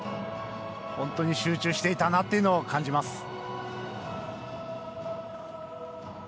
本当に集中していたなというのを感じます。